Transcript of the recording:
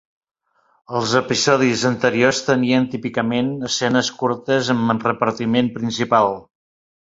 Els episodis anteriors tenien típicament escenes curtes amb el repartiment principal.